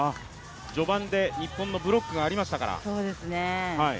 序盤で日本のブロックがありましたから。